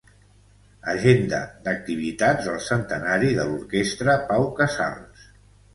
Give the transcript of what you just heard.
Agenda d'activitats del Centenari de l'Orquestra Pau Casals.